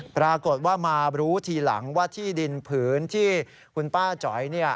ปรากฏว่ามารู้ทีหลังว่าที่ดินผืนที่คุณป้าจ๋อย